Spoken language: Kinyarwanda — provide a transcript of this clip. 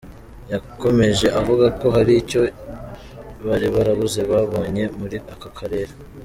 Yakomeje avuga ko hari icyo bari barabuze babonye muri aka karere.